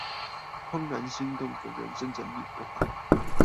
怦然心動的人生整理魔法